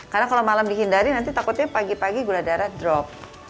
karena kalau malam dihindari nanti takutnya pagi pagi gula darah drop